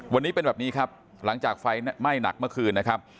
วันนี้เป็นแบบนี้ครับหลังจากไฟไหม้หนักเมื่อคืนนะครับ